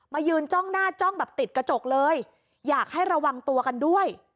ยืนจ้องหน้าจ้องแบบติดกระจกเลยอยากให้ระวังตัวกันด้วย